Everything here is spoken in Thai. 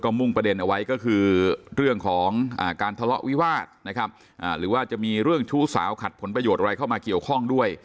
มุ่งประเด็นเอาไว้ก็คือเรื่องของการทะเลาะวิวาสนะครับหรือว่าจะมีเรื่องชู้สาวขัดผลประโยชน์อะไรเข้ามาเกี่ยวข้องด้วย